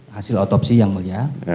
hasil otopsi yang mulia